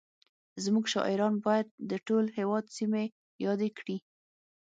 زموږ شاعران باید د ټول هېواد سیمې یادې کړي